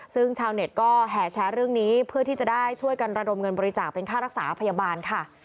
ซึ่งชาวเน็ตก็แห่แชร์เรื่องนี้เพื่อที่จะได้ช่วยกันระดมเงินบริจาคเป็นค่ารักษาพยาบาลค่ะ